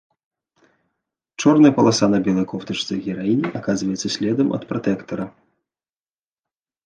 Чорная паласа на белай кофтачцы гераіні аказваецца следам ад пратэктара.